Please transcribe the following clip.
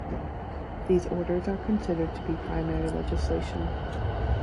These orders are considered to be primary legislation.